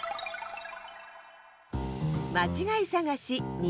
まちがいさがし２